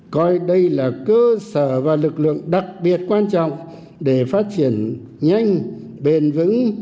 coi đây là cơ sở và lực lượng đặc biệt quan trọng để phát triển nhanh bền vững